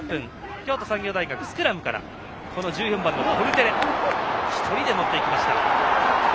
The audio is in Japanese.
京都産業大学、スクラムから１４番、ポルテレが１人で持っていきました。